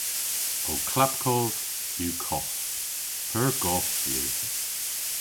Ow klappkodh yw koth. Pur goth yw.